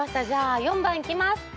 じゃあ４番いきます。